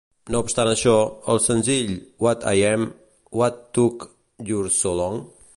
No obstant això, els senzills "What I Am", "What Took You So Long?".